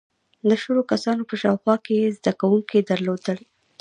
• د شلو کسانو په شاوخوا کې یې زدهکوونکي درلودل.